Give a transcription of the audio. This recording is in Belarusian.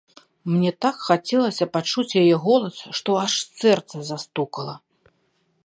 Мне так захацелася пачуць яе голас, што аж сэрца застукала.